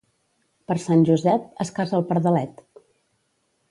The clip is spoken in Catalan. Per Sant Josep, es casa el pardalet.